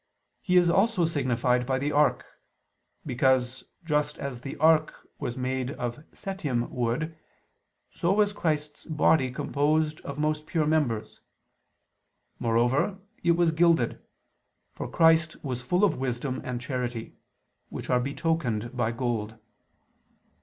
He is also signified by the ark: because just as the ark was made of setim wood, so was Christ's body composed of most pure members. More over it was gilded: for Christ was full of wisdom and charity, which are betokened by gold.